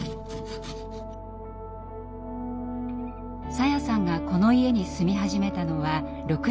さやさんがこの家に住み始めたのは６０歳手前。